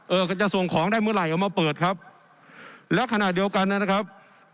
จะส่งของได้เมื่อไหร่เอามาเปิดครับและขณะเดียวกันนะครับ